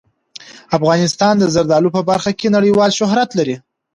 افغانستان د زردالو په برخه کې نړیوال شهرت لري.